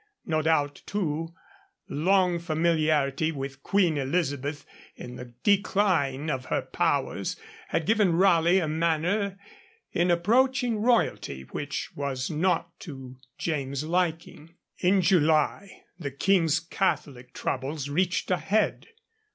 No doubt, too, long familiarity with Queen Elizabeth in the decline of her powers, had given Raleigh a manner in approaching royalty which was not to James's liking. In July the King's Catholic troubles reached a head.